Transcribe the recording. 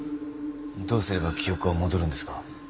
どうすれば記憶は戻るんですか？